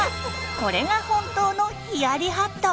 これが本当の冷やりハット。